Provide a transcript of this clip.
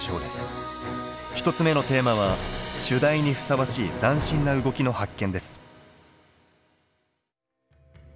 １つ目のテーマは「主題にふさわしい斬新な動きの発見」です。